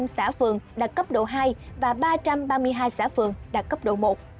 hai trăm bốn mươi năm xã phường đạt cấp độ hai và ba trăm ba mươi hai xã phường đạt cấp độ một